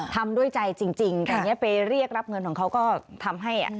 ทำด้วยใจจริงตอนนี้ไปเรียกรับเงินของเขาก็ทำให้อ่ะ